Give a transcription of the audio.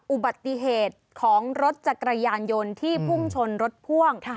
อุบัติเหตุของรถจักรยานยนต์ที่พุ่งชนรถพ่วง